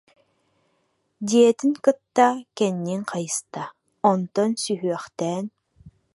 диэтин кытта кэннин хайыста, онтон сүһүөхтээн: